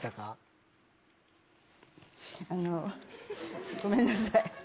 あのごめんなさい。